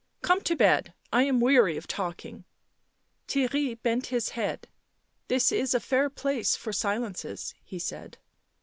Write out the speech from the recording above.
" Come to bed. I am weary of talking." Theirry bent his head. " This is a fair place for silences," he said.